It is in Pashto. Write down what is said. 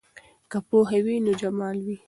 که پوهه وي نو جمال وي.